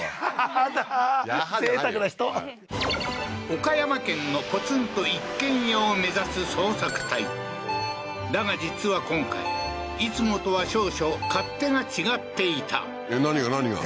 岡山県のポツンと一軒家を目指す捜索隊だが実は今回いつもとは少々勝手が違っていたえっ何が？